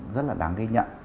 rất là đáng ghi nhận